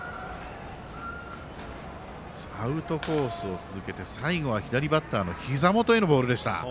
アウトコースを続けて最後は左バッターへのひざ元へのボールでした。